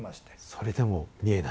それでも見えない？